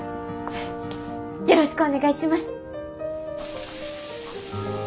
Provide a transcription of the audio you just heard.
よろしくお願いします！